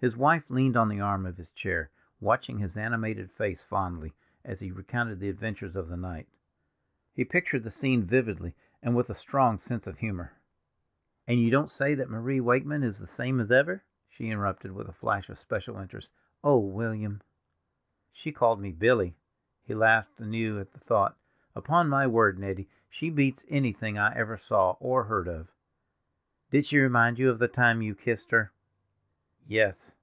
His wife leaned on the arm of his chair, watching his animated face fondly, as he recounted the adventures of the night. He pictured the scene vividly, and with a strong sense of humor. "And you don't say that Marie Wakeman is the same as ever?" she interrupted with a flash of special interest. "Oh, William!" "She called me Billy." He laughed anew at the thought. "Upon my word, Nettie, she beats anything I ever saw or heard of." "Did she remind you of the time you kissed her?" "Yes!"